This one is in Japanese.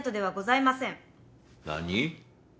何？